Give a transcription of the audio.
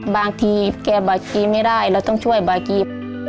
บางทีแกบากกี้ไม่ได้แล้วต้องช่วยบากกี้